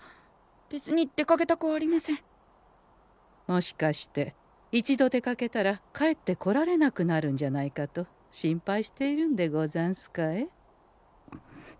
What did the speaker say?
もしかして一度出かけたら帰ってこられなくなるんじゃないかと心配しているんでござんすかえ？